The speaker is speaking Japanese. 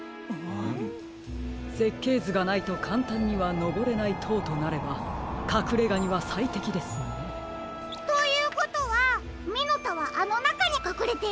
せっけいずがないとかんたんにはのぼれないとうとなればかくれがにはさいてきですね。ということはミノタはあのなかにかくれているんですか？